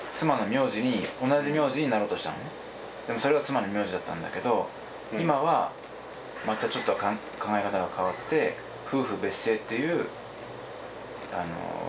それが妻の名字だったんだけど今はまたちょっと考え方が変わって夫婦別姓っていう別の名字を選択しようとしている。